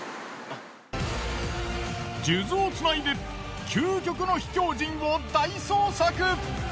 数珠をつないで究極の秘境人を大捜索。